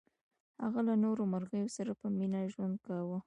هغه له نورو مرغیو سره په مینه ژوند کاوه.